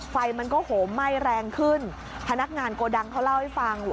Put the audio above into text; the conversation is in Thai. ไฟมันก็โหมไหม้แรงขึ้นพนักงานโกดังเขาเล่าให้ฟัง